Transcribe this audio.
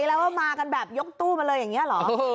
แล้วว่ามากันแบบยกตู้มาเลยอย่างนี้เหรอ